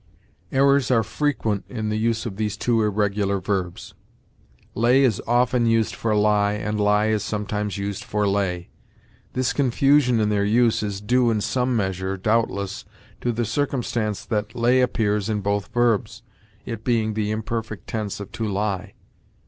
Errors are frequent in the use of these two irregular verbs. Lay is often used for lie, and lie is sometimes used for lay. This confusion in their use is due in some measure, doubtless, to the circumstance that lay appears in both verbs, it being the imperfect tense of to lie.